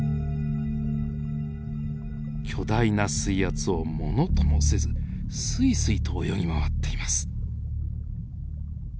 巨大な水圧を物ともせずスイスイと泳ぎ回っています。